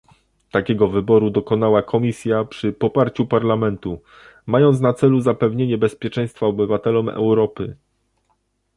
Takiego wyboru dokonała Komisja przy poparciu Parlamentu, mając na celu zapewnienie bezpieczeństwa obywatelom Europy